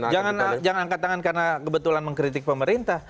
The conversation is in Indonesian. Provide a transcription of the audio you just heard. jangan angkat tangan karena kebetulan mengkritik pemerintah